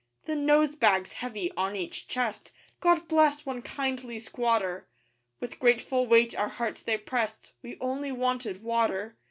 The 'nose bags' heavy on each chest (God bless one kindly squatter!) With grateful weight our hearts they pressed We only wanted water.